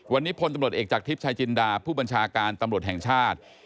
วันนี้พลตำรวจเอกจากทิพย์ชายจินดาผู้บัญชาการตำรวจแห่งชาติ